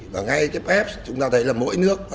và ngay tiếp ép chúng ta thấy là mỗi nước